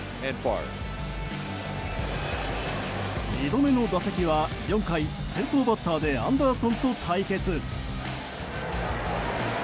２度目の打席は４回先頭バッターでアンダーソンと対決。